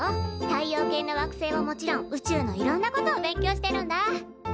太陽系の惑星はもちろん宇宙のいろんなことを勉強してるんだ。